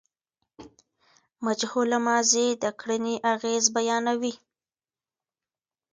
مجهوله ماضي د کړني اغېز بیانوي.